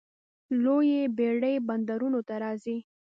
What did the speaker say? لویې بیړۍ بندرونو ته راځي.